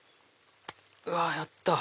うわやった！